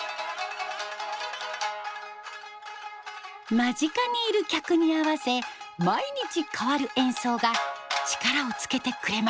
間近にいる客に合わせ毎日変わる演奏が力をつけてくれます。